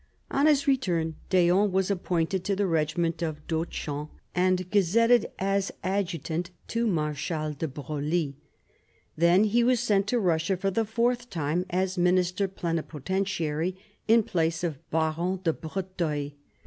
On his return d'Eon was appointed to the regiment d'Autchamp and gazetted as adjutant to Marshal de Broglie. Then he was sent to Russia for the fourth time as minister plenipotentiary in place of Baron de Breuteuil.